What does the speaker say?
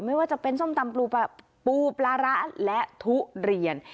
ไม่ว่าจะเป็นส้มตำปูปลาร้าและทุเรียน